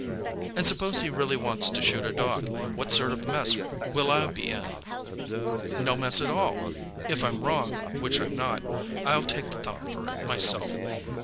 "And suppose he really wants to shoot a dog; what sort of a mess will I be in?" "No mess at all. If I'm wrong which I'm not I'll take the thump for it, myself.